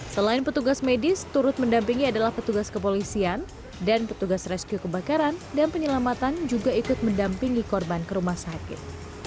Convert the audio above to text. selain petugas medis turut mendampingi adalah petugas kepolisian dan petugas rescue kebakaran dan penyelamatan juga ikut mendampingi korban ke rumah sakit